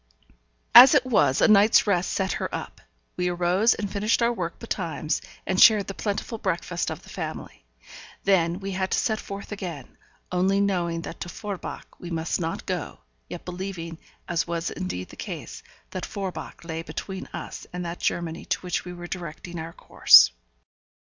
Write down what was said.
As it was, a night's rest set her up; we arose and finished our work betimes, and shared the plentiful breakfast of the family. Then we had to set forth again; only knowing that to Forbach we must not go, yet believing, as was indeed the case, that Forbach lay between us and that Germany to which we were directing our course.